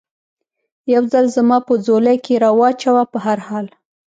یو ځل زما په ځولۍ کې را و چوه، په هر حال.